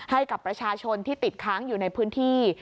ให้กับประชาชนที่ติดค้างอยู่ในพื้นที่